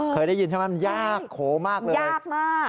เคยได้ยินใช่ไหมมันยากโขมากเลยยากมาก